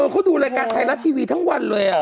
เขาดูแรกอันไทรลัตย์ทีวีทั้งวันเลย